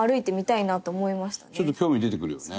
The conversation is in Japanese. ちょっと興味出てくるよね。